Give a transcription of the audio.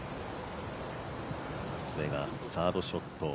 久常がサードショット。